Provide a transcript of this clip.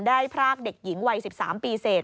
ได้พรากเด็กหญิงวัย๑๓ปีเศษ